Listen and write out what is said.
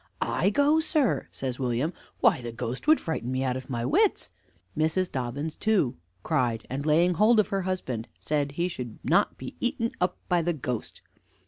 "I go, sir?" says William; "why, the ghost would frighten me out of my wits!" Mrs. Dobbins, too, cried, and laying hold of her husband, said he should not be eat up by the ghost.